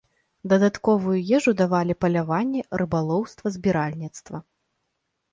Дадатковую ежу давалі паляванне, рыбалоўства, збіральніцтва.